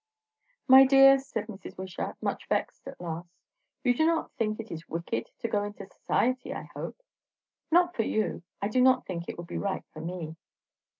"My dear," said Mrs. Wishart, much vexed at last, "you do not think it is wicked to go into society, I hope?" "Not for you. I do not think it would be right for me."